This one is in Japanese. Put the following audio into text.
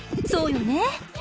そうよね。